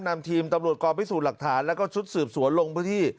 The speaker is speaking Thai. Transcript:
นำทีมตำรวจกองพิสูจน์หลักฐานแล้วก็ชุดสืบสวนลงพื้นที่